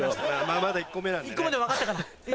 まだ１個目なんでね。